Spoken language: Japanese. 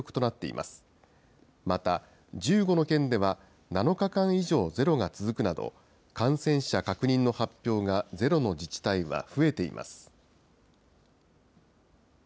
また１５の県では、７日間以上ゼロが続くなど、感染者確認の発表がゼロの自治体は増えています。